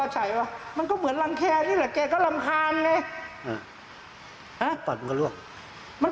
จริงไหมเอาสิมาเลยเอาไปพิสูจน์